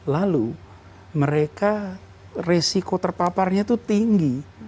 lalu mereka resiko terpaparnya itu tinggi